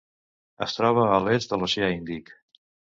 Es troba a l'est de l'Oceà Índic.